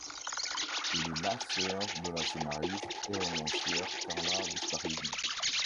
Elle est la sœur de la scénariste et romancière Carla Vistarini.